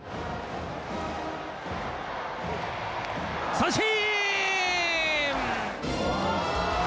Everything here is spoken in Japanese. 三振！